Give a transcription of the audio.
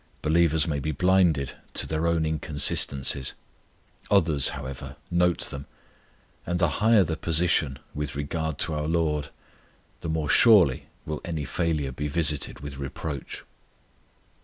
Believers may be blinded to their own inconsistencies; others, however, note them; and the higher the position with regard to our LORD the more surely will any failure be visited with reproach.